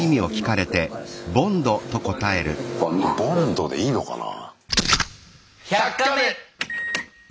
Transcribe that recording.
ボンドでいいのかなぁ？